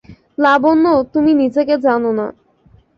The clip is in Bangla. লাবণ্য, তুমি নিজেকে জান না।